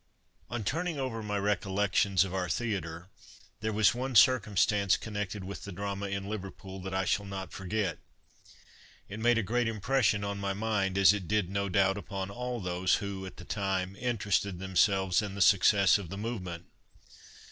On turning over my "Recollections" of our theatre, there was one circumstance connected with the drama in Liverpool that I shall not forget. It made a great impression on my mind, as it did no doubt upon all those who, at the time, interested themselves in the success of the movement.